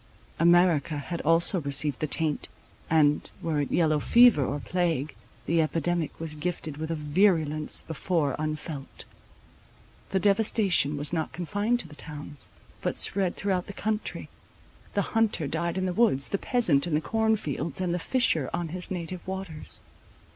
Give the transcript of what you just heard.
America had also received the taint; and, were it yellow fever or plague, the epidemic was gifted with a virulence before unfelt. The devastation was not confined to the towns, but spread throughout the country; the hunter died in the woods, the peasant in the corn fields, and the fisher on his native waters.